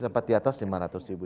sempat di atas lima ratus ribu